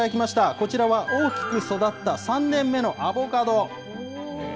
こちらは大きく育った３年目のアボカド。